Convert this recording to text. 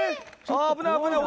危ない危ない！